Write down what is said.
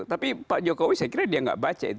tapi pak jokowi saya kira dia nggak baca itu